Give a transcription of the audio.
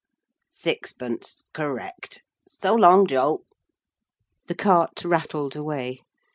Sixpence Correct. So long, Joe.' The cart rattled away.